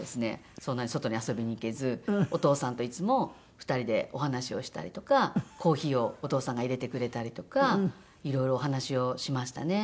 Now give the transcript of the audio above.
そんなに外に遊びに行けずお父さんといつも２人でお話をしたりとかコーヒーをお父さんが入れてくれたりとかいろいろお話をしましたね。